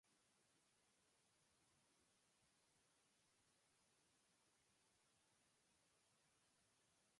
He was killed in the fighting at the Battle of Fort Tabarsi.